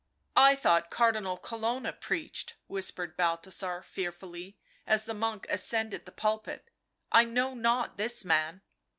" I thought Cardinal Colonna preached," whis pered Balthasar fearfully, as the monk ascended the pulpit. " I know not this man."